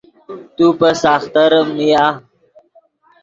تو پے ساختریم نیا